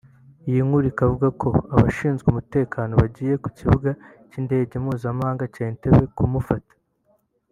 Iyi nkuru ikavuga ko abashinzwe umutekano bagiye ku Kibuga cy’Indege Mpuzamahanga cya Entebbe kumufata